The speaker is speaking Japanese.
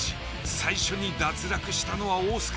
最初に脱落したのは大須賀。